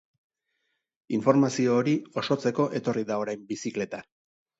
Informazio hori osotzeko etorri da orain bizikleta.